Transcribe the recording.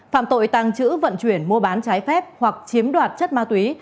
phạm tội tàng trữ vận chuyển mua bán trái phép hoặc chiếm đoạt chất ma túy